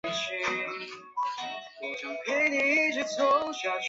她曾经在圣彼得堡的表演绝无仅有。